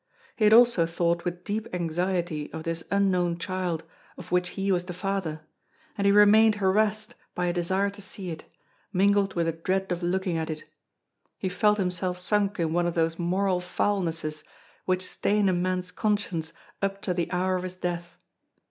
He had also thought with deep anxiety of this unknown child, of which he was the father; and he remained harassed by a desire to see it, mingled with a dread of looking at it. He felt himself sunk in one of those moral foulnesses which stain a man's conscience up to the hour of his death.